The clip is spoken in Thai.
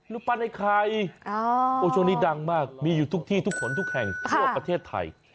รูปปั้นไอ้ไข่ช่วงนี้ดังมากมีอยู่ทุกที่ทุกคนทุกแห่งทั่วประเทศไทย